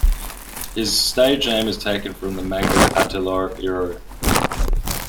His stage name is taken from the manga Patalliro!